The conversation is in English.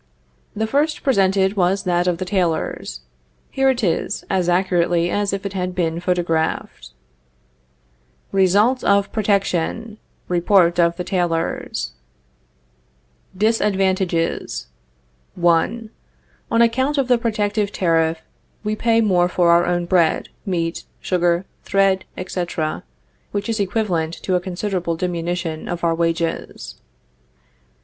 The first presented was that of the tailors. Here it is, as accurately as if it had been photographed: RESULTS OF PROTECTION REPORT OF THE TAILORS. Disadvantages. |_Advantages._ | 1. On account of the protective tariff, we pay | None. more for our own bread, meat, sugar, thread, | etc., which is equivalent to a considerable | 1. We have examined diminution of our wages.